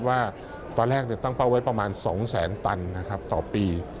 ว่าตอนแรกตั้งเป้าไว้ประมาณ๒แสนตันนะครับต่อปี